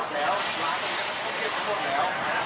ที่ตั้งอยู่ที่หมดแล้ว